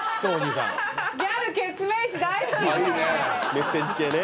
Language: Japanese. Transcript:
メッセージ系ね。